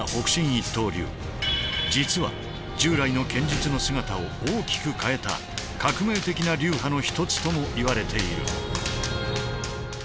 一刀流実は従来の剣術の姿を大きく変えた革命的な流派の一つともいわれている。